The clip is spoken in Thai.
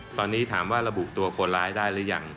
ตอนนี้ถามว่าระบุตัวคนร้ายได้หรือยัง